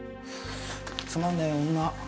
つまんねえ女。